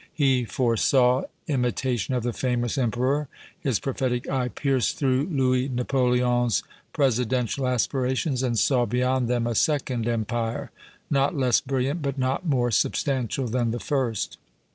He foresaw imitation of the famous Emperor; his prophetic eye pierced through Louis Napoleon's presidential aspirations and saw beyond them a second Empire not less brilliant but not more substantial than the first.